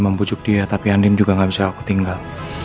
membujuk dia tapi andin juga gak bisa aku tinggal